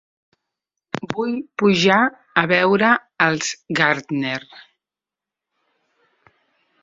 Vull pujar a veure els Gardner.